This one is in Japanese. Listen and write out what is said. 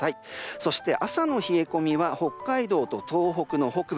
そして朝の冷え込みは北海道と東北の北部